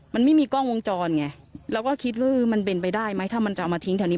มันไม่มีกล้องวงจรไงเราก็คิดว่ามันเป็นไปได้ไหมถ้ามันจะเอามาทิ้งแถวนี้